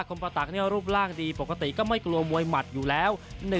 มประตักรูปร่างดีปกติก็ไม่กลัวมวยหมัดอยู่แล้ว